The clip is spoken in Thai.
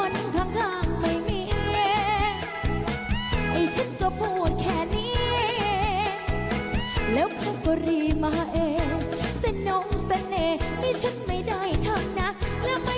สวยสดง้อนงามจริงนะคะ